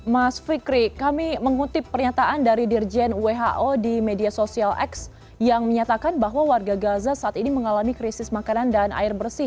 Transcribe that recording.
mas fikri kami mengutip pernyataan dari dirjen who di media sosial x yang menyatakan bahwa warga gaza saat ini mengalami krisis makanan dan air bersih